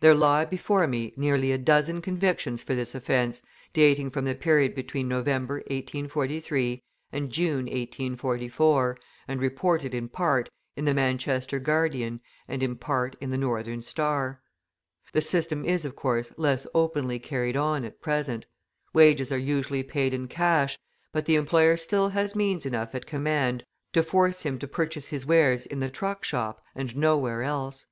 There lie before me nearly a dozen convictions for this offence, dating from the period between November, 1843, and June, 1844, and reported, in part, in the Manchester Guardian and, in part, in the Northern Star. The system is, of course, less openly carried on at present; wages are usually paid in cash, but the employer still has means enough at command to force him to purchase his wares in the truck shop and nowhere else.